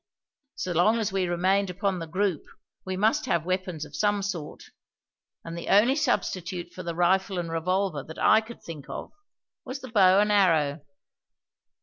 So long as we remained upon the group we must have weapons of some sort, and the only substitute for the rifle and revolver that I could think of was the bow and arrow.